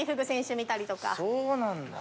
そうなんだ。